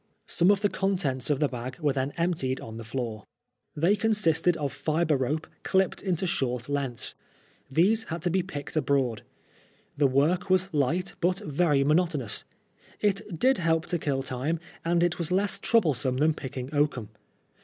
Some of the contents of the bag were then emptied on the 128 PBISONEE FOB BLASPHEMY. floor, niey consiBted of fibre rope clipped into short lengths, lliese had to be picked abroad. The work was light, but very monotonotis. It did help to kill time, and it was less troublesome than pickiBg oaknm.